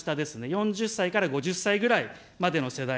４０歳から５０歳ぐらいまでの世代。